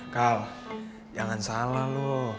kal jangan salah loh